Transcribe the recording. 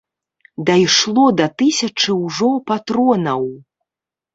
Дайшло да тысячы ўжо патронаў.